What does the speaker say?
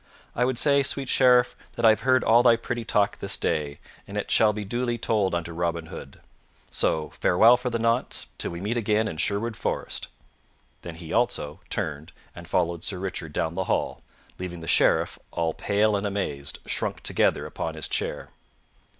"I would say, sweet Sheriff, that I have heard all thy pretty talk this day, and it shall be duly told unto Robin Hood. So, farewell for the nonce, till we meet again in Sherwood Forest." Then he, also, turned and followed Sir Richard down the hall, leaving the Sheriff, all pale and amazed, shrunk together upon his chair.